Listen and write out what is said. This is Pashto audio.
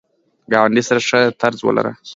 ګاونډي سره ښه طرز ولره